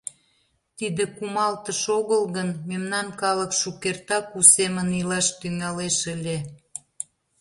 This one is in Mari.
Тиде кумалтыш огыл гын, мемнан калык шукертак у семын илаш тӱҥалеш ыле...